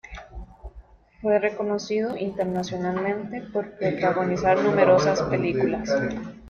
Fue reconocido internacionalmente por protagonizar numerosas películas.